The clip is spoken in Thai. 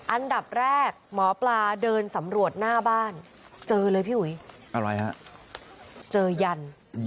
อันดับแรกหมอปลาเดินสำรวจหน้าบ้าน